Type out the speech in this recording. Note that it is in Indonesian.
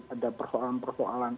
ada persoalan persoalan lainnya